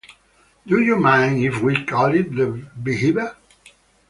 Do you mind if we call it the beehive?